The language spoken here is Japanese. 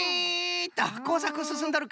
っとこうさくすすんどるか？